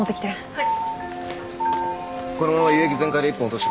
はい。